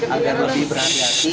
agar lebih berhati hati